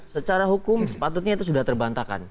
secara hukum sepatutnya itu sudah terbantakan